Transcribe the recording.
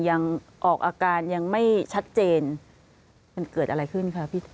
ยังออกอาการยังไม่ชัดเจนมันเกิดอะไรขึ้นคะพี่